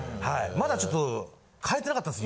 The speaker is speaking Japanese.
まだちょっと買えてなかったんです。